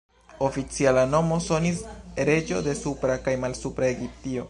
Oficiala nomo sonis ""reĝo de Supra kaj Malsupra Egiptio"".